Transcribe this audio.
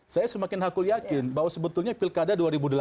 saya semakin hakul yakin bahwa sebetulnya pilkada dua ribu delapan belas